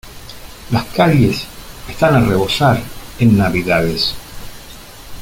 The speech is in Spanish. Las calles están a rebosar en navidades.